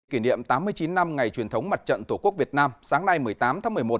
kỷ niệm tám mươi chín năm ngày truyền thống mặt trận tổ quốc việt nam sáng nay một mươi tám tháng một mươi một